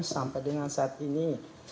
sampai dengan saat ini